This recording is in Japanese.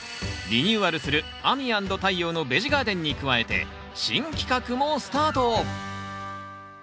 リニューアルする「亜美＆太陽のベジガーデン」に加えて新企画もスタート！